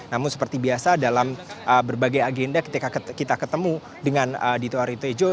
namun seperti biasa dalam berbagai agenda ketika kita ketemu dengan adhito aryo tejo